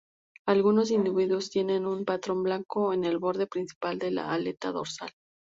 Algunos individuos tienen un patrón blanco en el borde principal de la aleta dorsal.